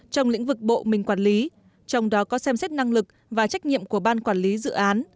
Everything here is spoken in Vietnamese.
trong lĩnh vực bộ mình quản lý trong đó có xem xét năng lực và trách nhiệm của ban quản lý dự án